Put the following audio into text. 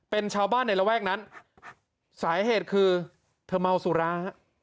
เป็นชาวบ้านในระแวกนั้นสาเหตุคือเธอเมาสุราฮะ